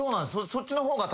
そっちの方が。